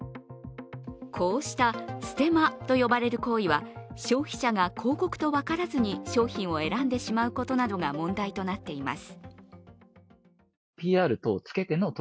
こうしたステマと呼ばれる行為は消費者が広告と分からずに商品を選んでしまうことなどが問題となっています。